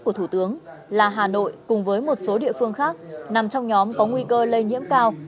của thủ tướng là hà nội cùng với một số địa phương khác nằm trong nhóm có nguy cơ lây nhiễm cao